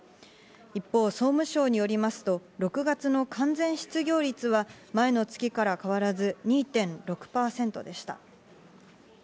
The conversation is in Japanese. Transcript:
一方、総務省によりますと、６月の完全失業率は前の月から変わらず２．６％でした。